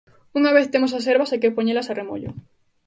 Unha vez temos as herbas hai que poñelas a remollo.